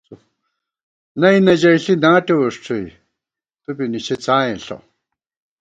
نئی تہ ژئیݪی ناٹے وُݭٹُوئی، تُو بی نِشِی څائیں ݪہ